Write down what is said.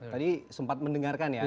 tadi sempat mendengarkan ya